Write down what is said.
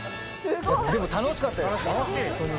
でも楽しかったです、本当に。